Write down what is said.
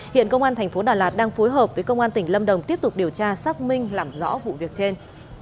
hiện công an thành phố đà lạt đang phối hợp với công an tỉnh lâm đồng tiếp tục điều tra xác minh làm rõ vụ việc trên